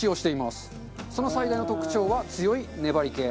その最大の特徴は強い粘り気。